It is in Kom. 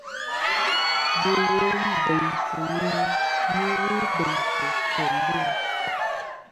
Bò wom bèynsɨ na mɨ n-ghɨ bèŋsɨ̀ nsòmbo.